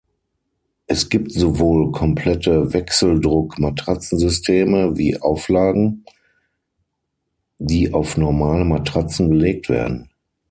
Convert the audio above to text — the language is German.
Es gibt sowohl komplette Wechseldruck-Matratzensysteme wie Auflagen, die auf normale Matratzen gelegt werden.